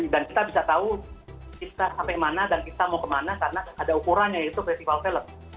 dan kita bisa tahu kita sampai mana dan kita mau kemana karena ada ukurannya yaitu festival film